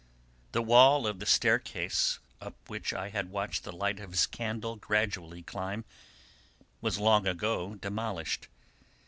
The wall of the staircase, up which I had watched the light of his candle gradually climb, was long ago demolished.